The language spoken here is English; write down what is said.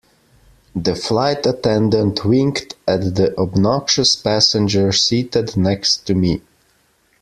The flight attendant winked at the obnoxious passenger seated next to me.